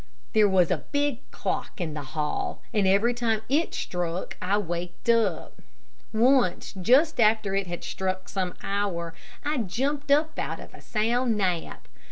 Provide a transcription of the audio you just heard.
There was a big clock in the hall, and every time it struck I waked up. Once, just after it had struck some hour, I jumped up out of a sound nap.